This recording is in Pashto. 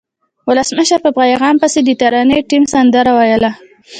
ولسمشر په پیغام پسې د ترانې ټیم سندره وویله.